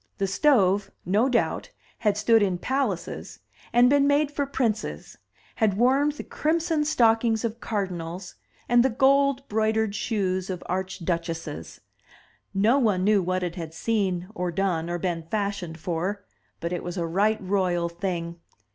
The stove no doubt had stood in palaces and been made for princes, had warmed the crimson stockings of cardinals and the gold broidered shoes of archduchesses; no one knew what it had seen or done or been fashioned for; but it was a right royal thing.